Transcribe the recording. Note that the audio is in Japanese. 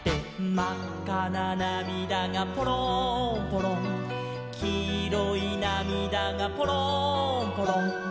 「まっかななみだがぽろんぽろん」「きいろいなみだがぽろんぽろん」